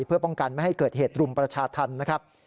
เพื่อป้องกันไม่ให้เกิดเหตุรุมประชาธรรมนะครับ